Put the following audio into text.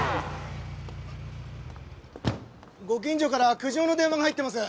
ご近所から苦情の電話が入ってます。